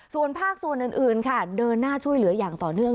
ส่วนภาคส่วนอื่นค่ะเดินหน้าช่วยเหลืออย่างต่อเนื่อง